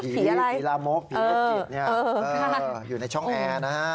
ผีอะไรผีรามกผีรกิจเนี่ยอยู่ในช่องแอร์นะฮะ